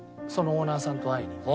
そのオーナーさんと会いに。